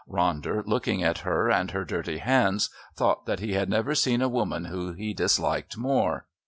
Ronder, looking at her and her dirty hands, thought that he had never seen a woman whom he disliked more.